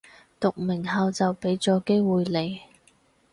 讀名校就畀咗機會你